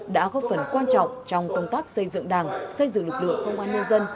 đã góp phần quan trọng trong công tác xây dựng đảng xây dựng lực lượng công an nhân dân